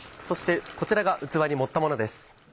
そしてこちらが器に盛ったものです。